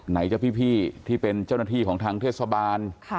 ไหนจะพี่ที่เป็นเจ้าหน้าที่ของทางเทศบาล